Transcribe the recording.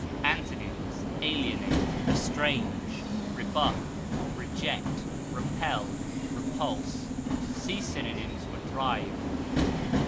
Antonyms: alienate, estrange, rebuff, reject, repel, repulse. See synonyms for DRIVE.